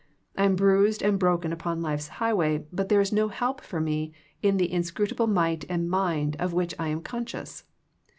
I am bruised and broken upon life's highway but there is no help for me in the inscrutable might and mind of which I am conscious.